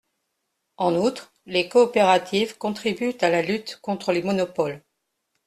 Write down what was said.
En outre, les coopératives contribuent à la lutte contre les monopoles.